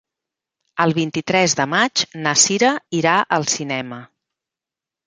El vint-i-tres de maig na Cira irà al cinema.